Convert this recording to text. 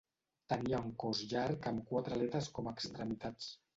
Tenia un cos llarg amb quatre aletes com a extremitats.